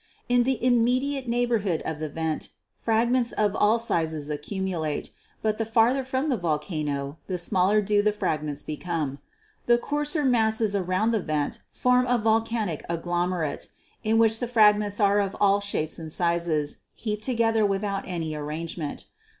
In the immediate neighborhood of the vent fragments of all sizes accumulate, but the farther from the volcano, the smaller do the fragments become. The coarser masses around the vent form a 'volcanic agglomerate,' in which the fragments are of all shapes and sizes, heaped together with out any arrangement.